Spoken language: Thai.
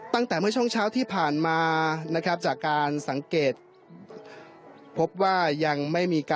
ตั้งแต่เมื่อช่วงเช้าที่ผ่านมานะครับจากการสังเกตพบว่ายังไม่มีการ